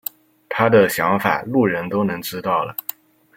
他的想法路人都能知道了。